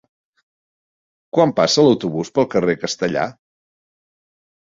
Quan passa l'autobús pel carrer Castellar?